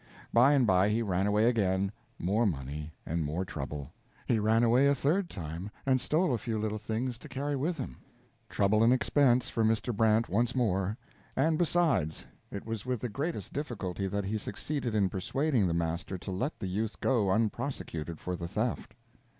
By and by he ran away again more money and more trouble. He ran away a third time and stole a few things to carry with him. Trouble and expense for Mr. Brant once more; and, besides, it was with the greatest difficulty that he succeeded in persuading the master to let the youth go unprosecuted for the theft.